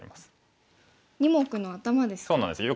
２目の頭ですか。